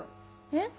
えっ？